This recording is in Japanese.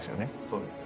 そうです。